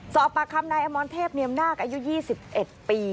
สอบปากคำนายอมรเทพเนียมนาคอายุ๒๑ปี